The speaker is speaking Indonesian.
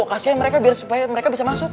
kasihkan mereka supaya mereka bisa masuk